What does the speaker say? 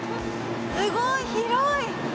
すごい広い。